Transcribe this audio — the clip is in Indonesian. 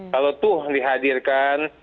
kalau tuh dihadirkan